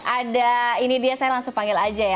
ada ini dia saya langsung panggil aja ya